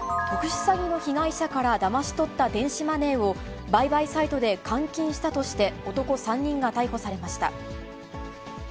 特殊詐欺の被害者からだまし取った電子マネーを売買サイトで換金したとして、男３人が逮捕されました。